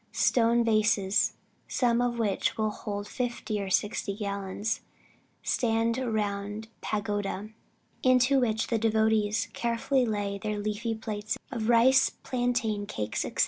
Stone vases, some of which will hold fifty or sixty gallons, stand round the pagoda, into which the devotees carefully lay their leafy plates of rice, plantain, cakes, &c.